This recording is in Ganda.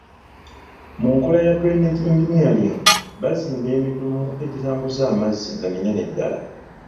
Mu nkola ya drainage engineering, bazimba emidumu egitambuza amazzi nga minene ddala.